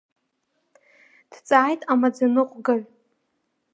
Дҵааит амаӡаныҟәгаҩ.